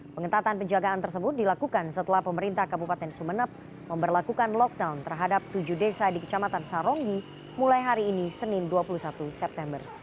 pengetatan penjagaan tersebut dilakukan setelah pemerintah kabupaten sumeneb memperlakukan lockdown terhadap tujuh desa di kecamatan saronggi mulai hari ini senin dua puluh satu september